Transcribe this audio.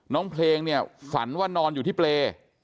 น้องเพลงเนี่ยฝันว่านอนอยู่ที่เปรย์